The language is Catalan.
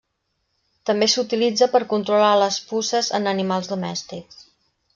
També s'utilitza per controlar les puces en animals domèstics.